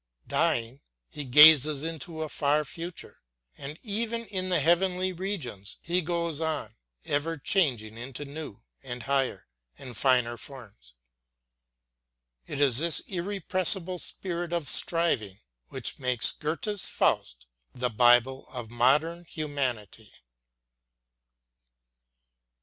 Dying, he gazes into a far future. And even in the heavenly regions he goes on ever changing into new and higher and finer forms. It is this irrepressible spirit of striving which makes Goethe's Faust the Bible of modern humanity.